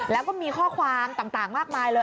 แล้วก็มีข้อความต่างมากมายเลย